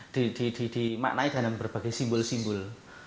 dimaknai dalam berbagai simbol simbol